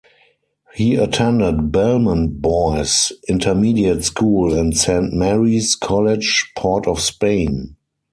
He attended Belmont Boys Intermediate School and Saint Mary's College, Port of Spain.